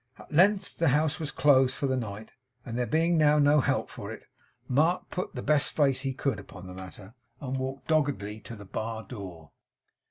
At length the house was closed for the night; and there being now no help for it, Mark put the best face he could upon the matter, and walked doggedly to the bar door.